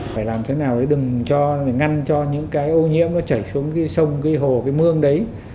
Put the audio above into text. phải làm thế nào để đừng cho ngăn cho những cái ô nhiễm nó chảy xuống cái sông cái hồ cái mương đấy